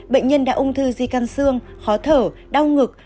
bệnh nhân đã ung thư di căn xương khó thở đau ngực